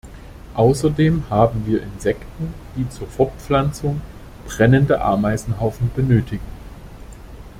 Außerdem haben wir Insekten, die zur Fortpflanzung brennende Ameisenhaufen benötigen.